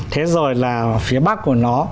thế rồi là phía bắc của nó